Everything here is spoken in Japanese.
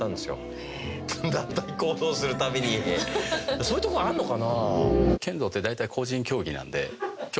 そういうとこあんのかな？